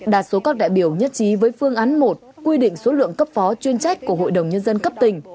đa số các đại biểu nhất trí với phương án một quy định số lượng cấp phó chuyên trách của hội đồng nhân dân cấp tỉnh